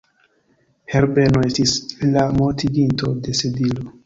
Herbeno estis la mortiginto de Sedilo.